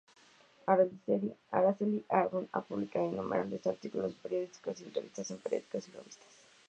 Araceli Ardón ha publicado innumerables artículos periodísticos y entrevistas en periódicos y revistas.